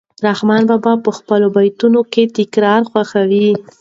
رحمان بابا په خپلو بیتونو کې تکرار خوښاوه.